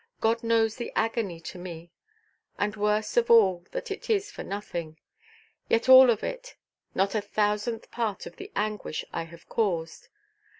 God knows the agony to me; and worst of all that it is for nothing. Yet all of it not a thousandth part of the anguish I have caused.